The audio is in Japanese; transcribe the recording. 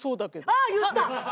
ああ言った！